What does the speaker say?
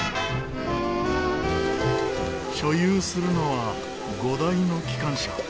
所有するのは５台の機関車。